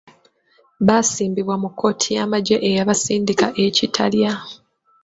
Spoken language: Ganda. Baasimbibwa mu kkooti y’amagye eyabasindika e Kitalya.